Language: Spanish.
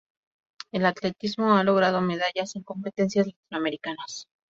El atletismo ha logrado medallas en competencias latinoamericanas.